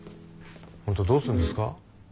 本当どうするんですか？